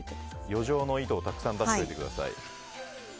余剰の糸をたくさん出しておいてください。